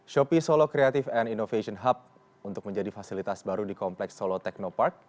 shopee solo creative and innovation hub untuk menjadi fasilitas baru di kompleks solo technopark